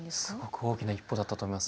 大きな一歩だったと思います。